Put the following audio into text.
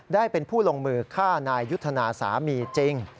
ได้เป็นผู้ลงมือฆ่านายยุทธนาสามีจริง